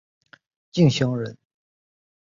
敬翔人。